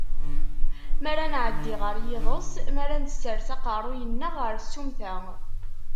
Mi ara nɛedi ɣer yiḍes, mi ara nsers aqerruy-nneɣ ɣer tsumta.